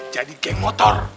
jadi geng motor